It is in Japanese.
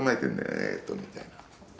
えーっとみたいな。